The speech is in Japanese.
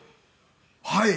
はい。